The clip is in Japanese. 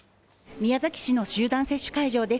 宮崎市の集団接種会場です。